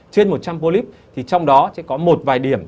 trên một trăm linh bolip thì trong đó sẽ có một vài điểm